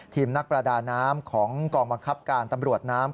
ทีมนักประดาน้ำของกองบังคับการตำรวจน้ำ